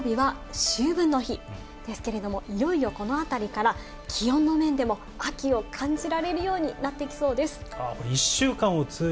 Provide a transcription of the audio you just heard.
その土曜日は秋分の日ですけれども、いよいよこのあたりから気温の面でも秋を感じられるようになってきそうです。